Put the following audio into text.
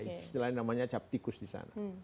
istilahnya namanya cap tikus di sana